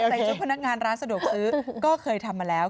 ใส่ชุดพนักงานร้านสะดวกซื้อก็เคยทำมาแล้ว